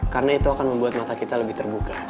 karena itu akan membuat mata kita lebih terbuka